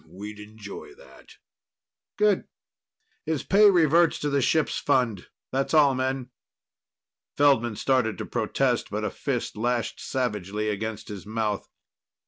We'd enjoy that." "Good. His pay reverts to the ship's fund. That's all, men." Feldman started to protest, but a fist lashed savagely against his mouth.